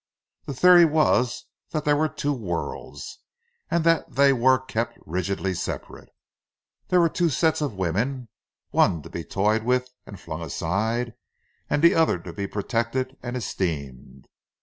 The theory was that there were two worlds, and that they were kept rigidly separate. There were two sets of women; one to be toyed with and flung aside, and the other to be protected and esteemed.